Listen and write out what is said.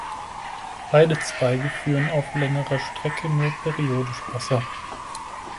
Beide Zweige führen auf längerer Strecke nur periodisch Wasser.